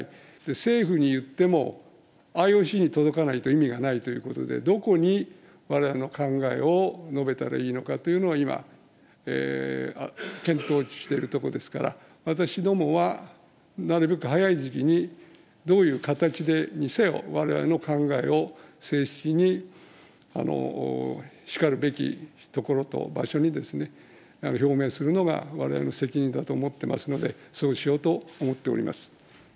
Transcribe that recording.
政府に言っても、ＩＯＣに届かないと意味がないということで、検討しているところですから、私どもは、なるべく早い時期に、どういう形にせよ、われわれの考えを、正式にしかるべきところと場所に表明するのが、われわれの責任だと思ってますので、そうしようと思っております。